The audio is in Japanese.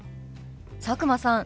佐久間さん